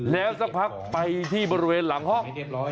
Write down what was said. แล้วสักพักไปที่บริเวณหลังห้อง